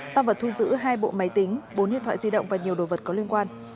tăng vật thu giữ hai bộ máy tính bốn điện thoại di động và nhiều đồ vật có liên quan